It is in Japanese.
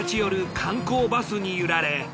観光バスに揺られ